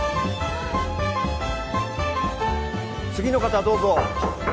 次の方どうぞ。